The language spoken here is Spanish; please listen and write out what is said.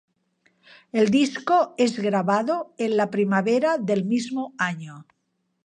El disco es grabado en la primavera del mismo año.